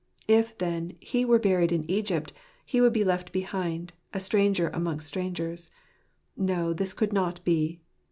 If, then, he were buried in Egypt, he would be left behind, a stranger amongst strangers. No, this could not be.